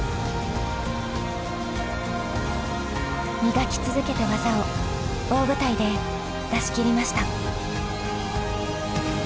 磨き続けた技を大舞台で出し切りました。